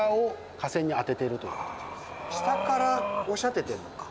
下から押し当ててるのか。